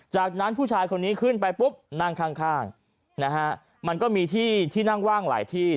จากนั้นผู้ชายคนนี้ขึ้นไปปุ๊บนั่งข้างข้างนะฮะมันก็มีที่ที่นั่งว่างหลายที่